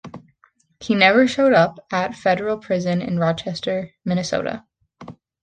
He never showed up at a Federal prison in Rochester, Minnesota.